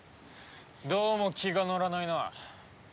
どうも気がのらないな。